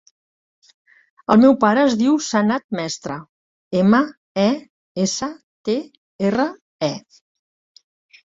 El meu pare es diu Sanad Mestre: ema, e, essa, te, erra, e.